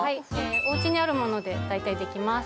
おうちにあるもので大体できます